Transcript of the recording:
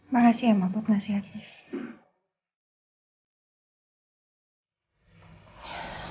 makasih ya ma buat nasihatnya